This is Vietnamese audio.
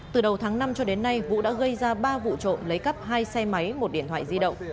từ đầu tháng năm cho đến nay vũ đã gây ra ba vụ trộm lấy cắp hai xe máy một điện thoại di động